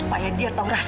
supaya dia tahu rasa